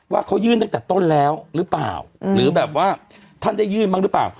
ว่าเขายื่นตั้งแต่ต้นแล้วหรือเปล่าหรือแบบว่าท่านได้ยื่นบ้างหรือเปล่า